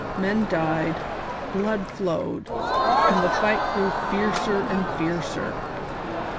Men died, blood flowed, and the fight grew fiercer and fiercer.